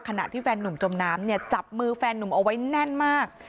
ขณะที่แฟนหนุ่มจมน้ำเนี่ยจับมือแฟนนุ่มเอาไว้แน่นมาก